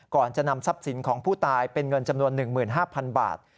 ก่อนจะนำทรัพย์สินของผู้ตายเป็นเงินจำนวน๑๕๐๐๐บาท